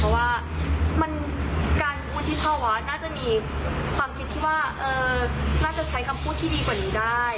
เพราะว่าการวุฒิภาวะน่าจะมีความคิดที่ว่าน่าจะใช้คำพูดที่ดีกว่านี้ได้